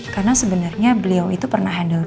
karena sebenarnya beliau itu pernah handle kesnya